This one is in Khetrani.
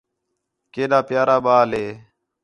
کیݙا پیارا ٻال ہے